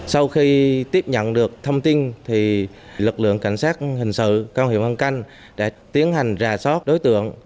sau khi tiếp nhận được thông tin lực lượng cảnh sát hình sự công an huyện vân canh đã tiến hành rà soát đối tượng